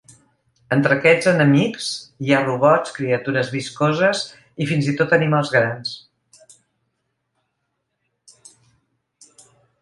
Entre aquests enemics hi ha robots, criatures viscoses i fins i tot animals grans.